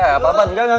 gapapa juga gak